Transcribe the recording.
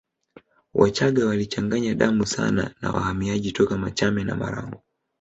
Wachaga walichanganya damu sana na wahamiaji toka Machame na Marangu